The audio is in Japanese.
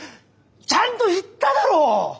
ちゃんと言っただろう！